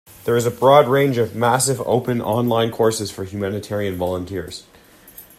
There is a broad range of massive open online courses for humanitarian volunteers.